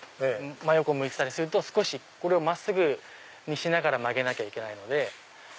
真横向いてたりするとこれを真っすぐにしながら曲げなきゃいけないので。